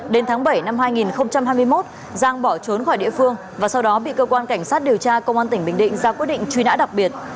đến tháng bảy năm hai nghìn hai mươi một giang bỏ trốn khỏi địa phương và sau đó bị cơ quan cảnh sát điều tra công an tỉnh bình định ra quyết định truy nã đặc biệt